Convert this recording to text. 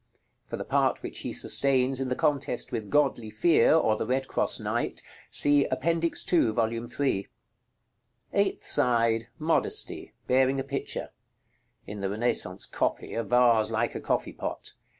For the part which he sustains in the contest with Godly Fear, or the Red cross knight, see Appendix 2, Vol. III. § LXXVI. Eighth side. Modesty; bearing a pitcher. (In the Renaissance copy, a vase like a coffee pot.)